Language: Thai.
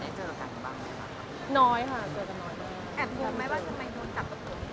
น้อยค่ะเจอกันน้อยมาก